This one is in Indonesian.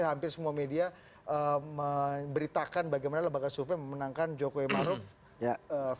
hampir semua media memberitakan bagaimana lembaga survei memenangkan jokowi maruf